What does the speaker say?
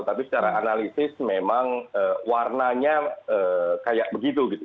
tapi secara analisis memang warnanya kayak begitu gitu